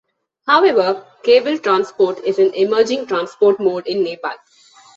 However, Cable transport is an emerging transport mode in Nepal.